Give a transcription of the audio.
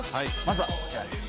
まずはこちらです